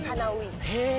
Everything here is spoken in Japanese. へえ。